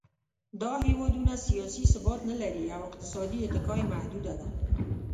دا هېوادونه سیاسي ثبات نهلري او اقتصادي اتکا یې محدوده ده.